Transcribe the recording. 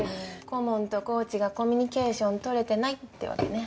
顧問とコーチがコミュニケーション取れてないってわけね。